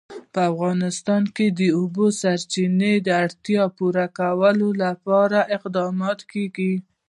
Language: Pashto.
په افغانستان کې د د اوبو سرچینې د اړتیاوو پوره کولو لپاره اقدامات کېږي.